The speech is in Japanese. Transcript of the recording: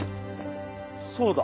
そうだ。